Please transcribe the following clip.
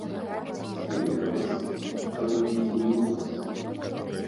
З кім не рос, таму не дзьмі ў нос.